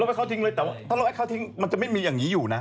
ไปเขาทิ้งเลยแต่ว่าถ้ารถให้เขาทิ้งมันจะไม่มีอย่างนี้อยู่นะ